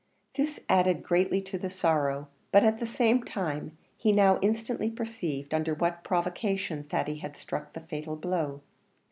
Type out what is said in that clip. This added greatly to his sorrow; but at the same time, he now instantly perceived under what provocation Thady had struck the fatal blow.